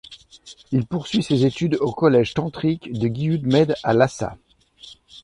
Il poursuit ses études au collège tantrique de Gyud-med à Lhassa.